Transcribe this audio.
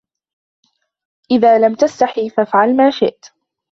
اذالم تستحي فأفعل ما تشاء